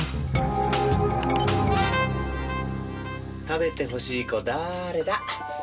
食べてほしい子だれだ？